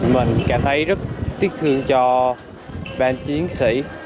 mình cảm thấy rất tiếc thương cho ban chiến sĩ